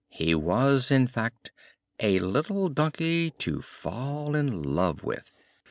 He was, in fact, a little donkey to fall in love with!